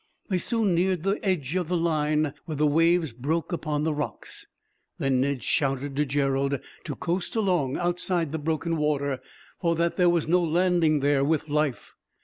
They soon neared the edge of the line where the waves broke upon the rocks. Then Ned shouted to Gerald to coast along, outside the broken water; for that there was no landing there, with life.